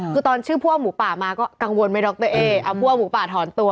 คือตอนชื่อผู้เอาหมูป่ามาก็กังวลไหมดรเอ๊เอาผู้ว่าหมูป่าถอนตัว